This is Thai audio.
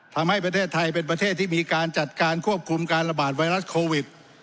ทำให้ประเทศไทยเป็นประเทศที่มีการจัดการควบคุมการระบาดไวรัสโควิด